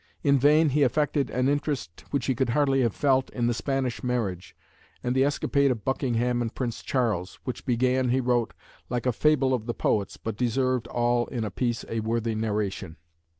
In vain he affected an interest which he could hardly have felt in the Spanish marriage, and the escapade of Buckingham and Prince Charles, which "began," he wrote, "like a fable of the poets, but deserved all in a piece a worthy narration."